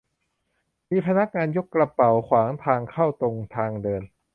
มีพนักงานยกกระเป๋าขวางทางเข้าตรงทางเดิน